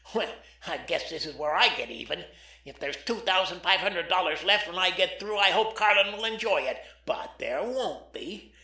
Well, I guess this is where I get even! If there's two thousand five hundred dollars left when I get through, I hope Karlin will enjoy it—but there won't be!